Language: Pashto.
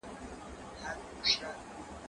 که وخت وي، واښه راوړم؟